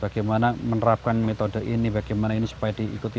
bagaimana menerapkan metode ini bagaimana ini supaya diikuti